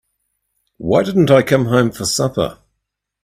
Why didn't I come home for supper?